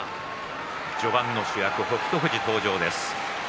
序盤の主役、北勝富士登場ですね。